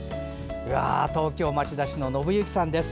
東京・町田市ののぶゆきさんです。